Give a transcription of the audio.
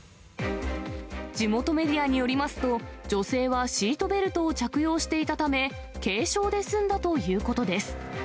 地元メディアによりますと、女性はシートベルトを着用していたため、軽傷で済んだということです。